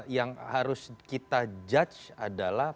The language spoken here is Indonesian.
yang harus kita judge adalah